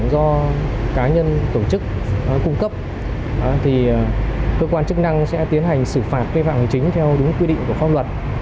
do cá nhân tổ chức cung cấp thì cơ quan chức năng sẽ tiến hành xử phạt cây vạng chính theo đúng quy định của pháp luật